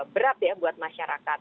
berat ya buat masyarakat